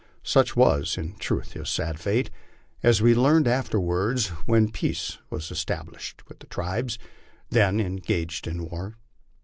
Such was in truth his sad fate, as we learned afterwards when peace (?) was established with the tribes then engaged in war.